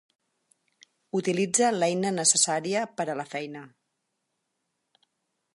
Utilitza l'eina necessària per a la feina.